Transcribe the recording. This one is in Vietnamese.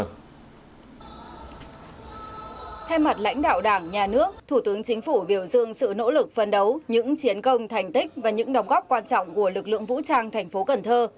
thay mặt lãnh đạo đảng nhà nước thủ tướng chính phủ biểu dương sự nỗ lực phân đấu những chiến công thành tích và những đóng góp quan trọng của lực lượng vũ trang thành phố cần thơ